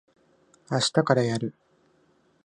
あしたからやる。